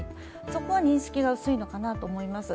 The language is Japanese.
そこは認識が薄いのかなと思います。